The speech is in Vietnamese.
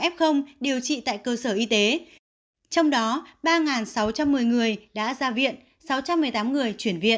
bốn năm trăm sáu mươi tám f điều trị tại cơ sở y tế trong đó ba sáu trăm một mươi người đã ra viện sáu trăm một mươi tám người chuyển viện